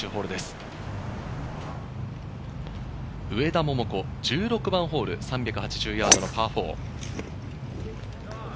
上田桃子、１６番ホール、３８０ヤードのパー４。